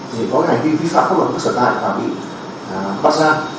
thì có cái này đi vi phạm các loại quốc sở tại và bị bắt ra